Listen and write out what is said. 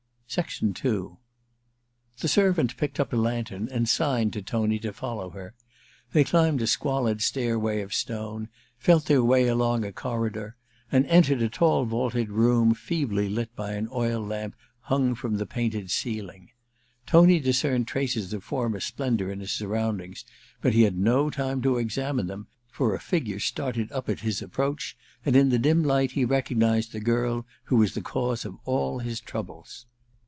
II The servant picked up a lantern and signed to Tony to follow her. They climbed a squalid stairway of stone, felt their way along a corridor, and entered a tall vaulted room feebly lit by an oil lamp hung from the painted ceiling. Tony discerned traces of former splendour in his sur roundings, but he had no time to examine them, for a figure started up at his approach and in the dim light he recognized the girl who was the cause of all his troubles.